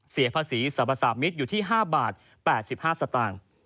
เสียภาษีสรรพสามิตรอยู่ที่๕บาท๘๕สตางค์